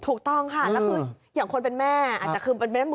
ถูกต้องค่ะแล้วก็อย่างคนเป็นแม่